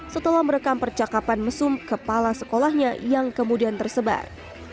setelah merekam percakapan mesum kepala sekolahnya yang kemudian tersebar